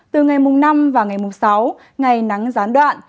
từ ngày mùng năm và ngày mùng sáu ngày nắng gián đoạn